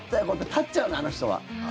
立っちゃうの、あの人は。